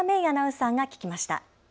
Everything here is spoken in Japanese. アナウンサーが聞きました。